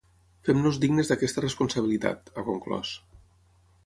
“Fem-nos dignes d’aquesta responsabilitat”, ha conclòs.